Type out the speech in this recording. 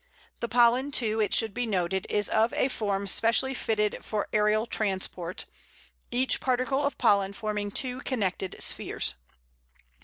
The pollen, too, it should be noted, is of a form specially fitted for aerial transport, each particle of pollen forming two connected spheres.